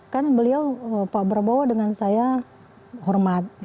kan beliau pak prabowo dengan saya hormat